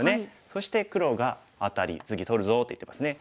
そして黒がアタリ「次取るぞ」って言ってますね。